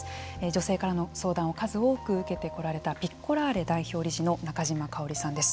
女性からの相談を数多く受けてこられたピッコラーレ代表理事の中島かおりさんです。